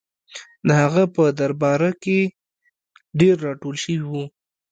د هغه په درباره کې ډېر راټول شوي وو.